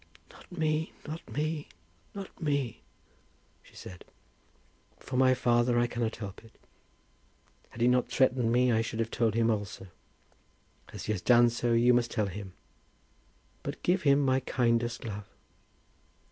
"Not me, not me, not me," she said. "For my father, I cannot help it. Had he not threatened me I should have told him also. As he has done so, you must tell him. But give him my kindest love."